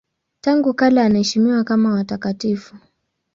Tangu kale anaheshimiwa kama watakatifu.